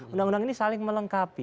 undang undang ini saling melengkapi